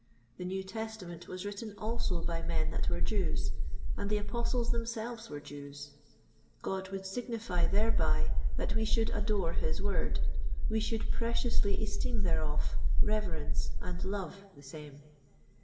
The New Testament was written also by men that were Jews, and the Apostles themselves were Jews: God would signify thereby that we should adore his Word, we should preciously esteem thereof, reverence, and love the same.